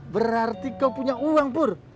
berarti kau punya uang bur